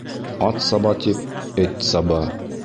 Ат саба, тип, эт саба.